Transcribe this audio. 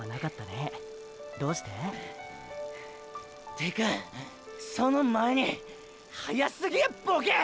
てかその前に速すぎやボケ！